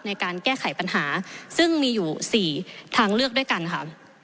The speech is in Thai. ในการแก้ไขปัญหาซึ่งมีอยู่๔ทางเลือกด้วยกันค่ะ